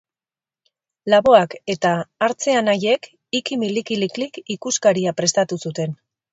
Laboak eta Artze anaiek Ikimilikiliklik ikuskaria prestatu zuten